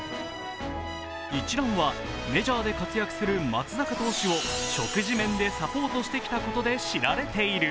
一蘭はメジャーで活躍する松坂投手を何度も食事面でサポートしてきたことで知られている。